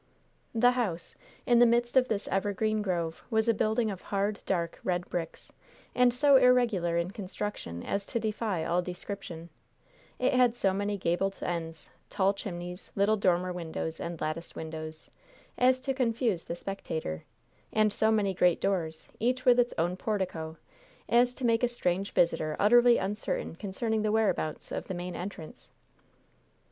The house, in the midst of this evergreen grove, was a building of hard, dark red bricks, and so irregular in construction as to defy all description; it had so many gable ends, tall chimneys, little dormer windows and latticed windows, as to confuse the spectator; and so many great doors, each with its own portico, as to make a strange visitor utterly uncertain concerning the whereabouts of the main entrance.